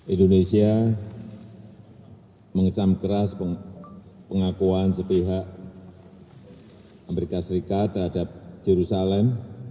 indonesia mengecam keras pengakuan sepihak amerika serikat terhadap jerusalem